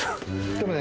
でもね